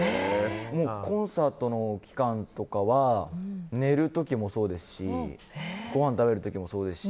コンサートの期間とかは寝る時もそうですしごはん食べる時もそうですし。